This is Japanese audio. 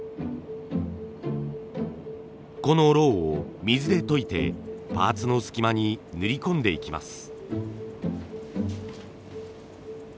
このロウを水で溶いてパーツの隙間に塗り込んでいきます。